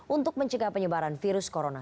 untuk mencegah penyebaran virus corona